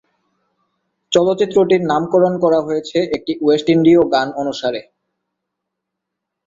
চলচ্চিত্রটির নামকরণ করা হয়েছে একটি ওয়েস্ট ইন্ডিয় গান অনুসারে।